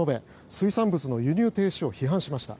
水産物の輸入停止を批判しました。